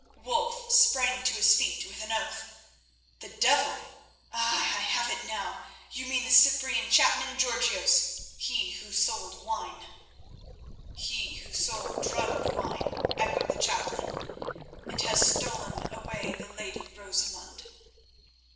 Wulf sprang to his feet with an oath. "The devil? Ah! I have it now. You mean the Cyprian chapman Georgios. He who sold wine." "He who sold drugged wine," echoed the chaplain, "and has stolen away the lady Rosamund."